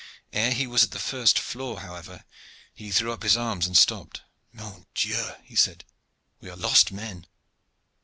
Ere he was at the first floor, however, he threw up his arms and stopped. "Mon Dieu!" he said, "we are lost men!"